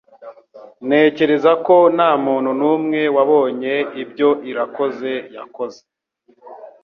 Ntekereza ko ntamuntu numwe wabonye ibyo Irakoze yakoze